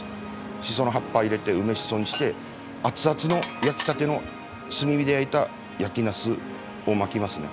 シソの葉っぱ入れて梅シソにして熱々の焼きたての炭火で焼いた焼き茄子を巻きますね。